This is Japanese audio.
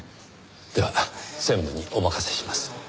では専務にお任せします。